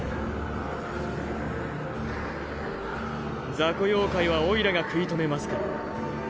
雑魚妖怪はオイラが食い止めますから。